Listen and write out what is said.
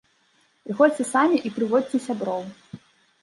Прыходзьце самі і прыводзьце сяброў!